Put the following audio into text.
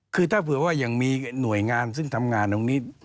คือถ้าเผื่อว่ายังมีหน่วยงานซึ่งทำงานตรงนี้